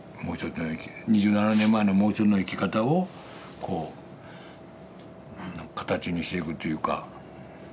もう一つの２７年前のもう一つの生き方をこう形にしていくというか。